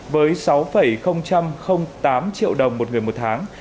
với sáu tám triệu đồng một tháng